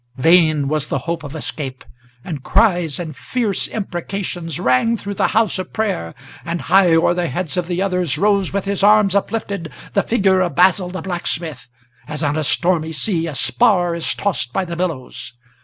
Vain was the hope of escape; and cries and fierce imprecations Rang through the house of prayer; and high o'er the heads of the others Rose, with his arms uplifted, the figure of Basil the blacksmith, As, on a stormy sea, a spar is tossed by the billows.